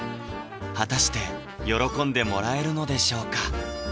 果たして喜んでもらえるのでしょうか？